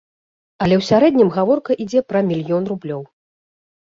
Але ў сярэднім гаворка ідзе пра мільён рублёў.